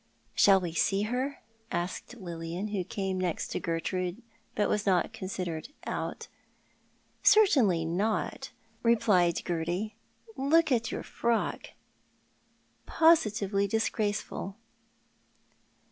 " Shall we see htr ?" asked Lilian, v/ho came nest to Gertrude, but was not considered " out." " Certainly not," replied Gerty. " Look at your frock— positively disgraceful.''